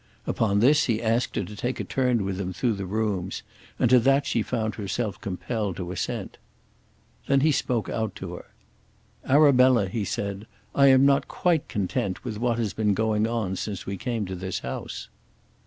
Upon this he asked her to take a turn with him through the rooms, and to that she found herself compelled to assent. Then he spoke out to her. "Arabella," he said, "I am not quite content with what has been going on since we came to this house."